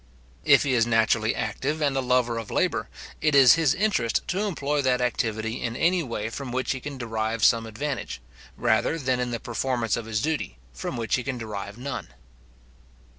If he is naturally active and a lover of labour, it is his interest to employ that activity in any way from which he can derive some advantage, rather than in the performance of his duty, from which he can derive none.